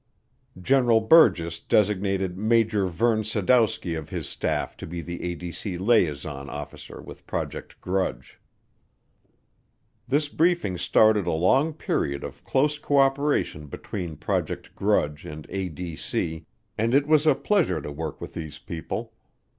General Burgess designated Major Verne Sadowski of his staff to be the ADC liaison officer with Project Grudge. This briefing started a long period of close co operation between Project Grudge and ADC, and it was a pleasure to work with these people.